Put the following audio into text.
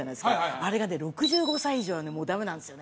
あれがね６５歳以上はねもうダメなんですよね